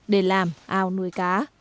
để làm ao nuôi cá